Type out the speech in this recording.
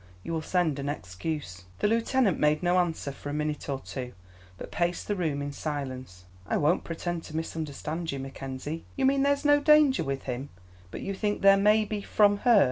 You will send an excuse." The lieutenant made no answer for a minute or two, but paced the room in silence. "I won't pretend to misunderstand you, Mackenzie. You mean there's no danger with him, but you think there may be from her.